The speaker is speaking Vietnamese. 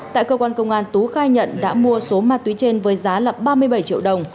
tại cơ quan công an tú khai nhận đã mua số ma túy trên với giá ba mươi bảy triệu đồng